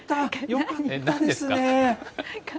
よかったですね。